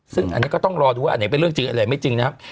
ซึ่งอันนี้ก็ต้องรอดูว่าอันไหนเป็นเรื่องจริงอันไหนไม่จริงนะครับ